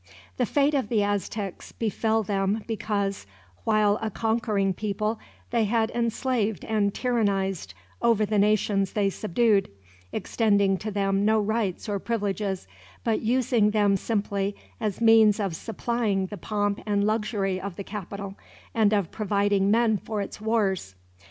The fate of the Aztecs befell them because, while a conquering people, they had enslaved and tyrannized over the nations they subdued; extending to them no rights or privileges, but using them simply as means of supplying the pomp and luxury of the capital, and of providing men for its wars.